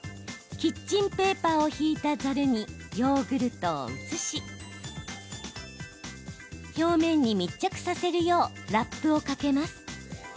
キッチンペーパーを敷いたざるにヨーグルトを移し表面に密着させるようラップをかけます。